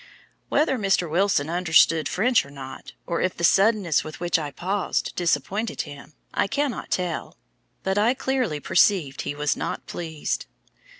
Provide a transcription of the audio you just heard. Whether Mr. Wilson understood French or not, or if the suddenness with which I paused disappointed him, I cannot tell; but I clearly perceived he was not pleased.